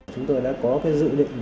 chúng tôi đã có cái dự định